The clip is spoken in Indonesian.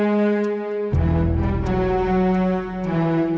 aku bernasib baik